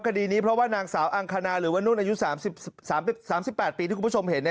คดีนี้เพราะว่านางสาวอังคณาหรือว่านุ่นอายุ๓๘ปีที่คุณผู้ชมเห็น